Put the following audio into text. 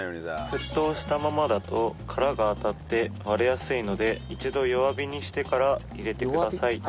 沸騰したままだと殻が当たって割れやすいので一度弱火にしてから入れてください。